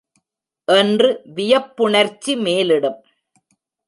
என்று வியப்புணர்ச்சி மேலிடும்.